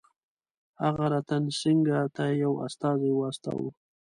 هغه رتن سینګه ته یو استازی واستاوه.